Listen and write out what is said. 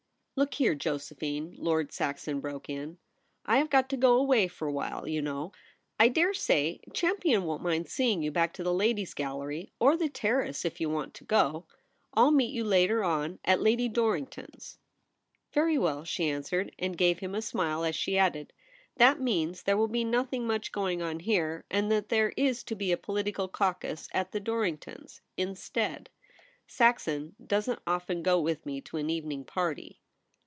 * Look here, Josephine,' Lord Saxon broke in, ' I have got to go away for a while, you know. I dare say Champion won't mind see ing you back to the Ladies' Gallery, or the 40 THE REBEL ROSE. Terrace, If you want to go. I'll meet you later on at Lady Dorrlngton's.' 'Very well,' she answered, and gave him a smile as she added, ' that means there will be nothing much going on here, and that there is to be a political caucus at the Dorrlngtons* instead. Saxon doesn't often go with me to an evening party.'